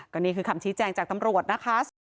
ก็นี่คือคำชี้แจงจากตำรวจนะคะ